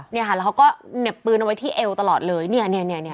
เนี่ยค่ะแล้วเขาก็เหน็บปืนเอาไว้ที่เอวตลอดเลยเนี่ย